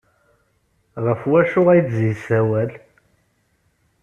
Ɣef wacu ay d-yessawal?